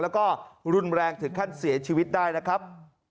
แล้วก็รุนแรงถึงขั้นเสียชีวิตได้นะครับ